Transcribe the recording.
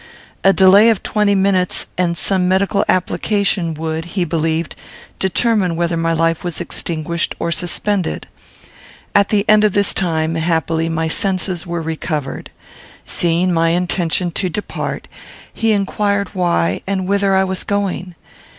A delay of twenty minutes, and some medical application, would, he believed, determine whether my life was extinguished or suspended. At the end of this time, happily, my senses were recovered. Seeing my intention to depart, he inquired why, and whither I was going.